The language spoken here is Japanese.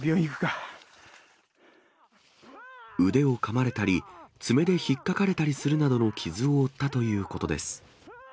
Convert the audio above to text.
腕をかまれたり、爪で引っ掛かれたりするなどの傷を負ったということです。